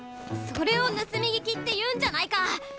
それを盗み聞きって言うんじゃないか！